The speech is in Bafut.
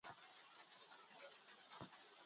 M̀bùmânsaŋ yâ ɨ̀ kwo mfəərə.